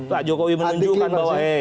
pak jokowi menunjukkan bahwa